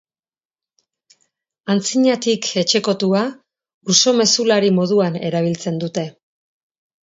Antzinatik etxekotua, uso mezulari moduan erabiltzen dute.